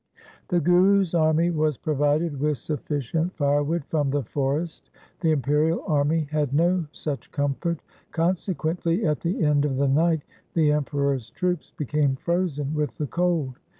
The Guru's army was provided with sufficient firewood from the forest. The imperial army had no such comfort. Consequently at the end of the night the Emperor's troops became frozen with the cold.